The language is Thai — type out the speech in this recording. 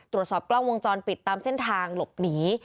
ตรวจสอบกล้องวงจรปิดตามเส้นทางหลบหนี